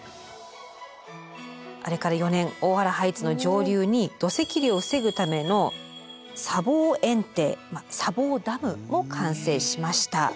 あれから４年大原ハイツの上流に土石流を防ぐための砂防堰堤砂防ダムも完成しました。